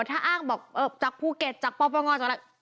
ถ้าห้างบอกจากภูเก็ตจากปฎต้อนร่วงศาล